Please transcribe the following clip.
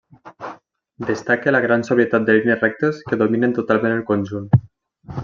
Destaca la gran sobrietat de línies rectes que dominen totalment el conjunt.